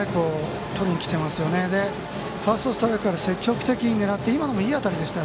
ファーストストライクから積極的に狙って今のもいい当たりでした。